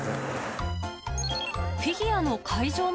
フィギュアの会場